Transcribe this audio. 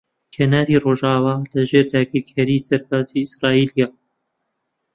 کەناری ڕۆژاوا لەژێر داگیرکاریی سەربازیی ئیسرائیلە.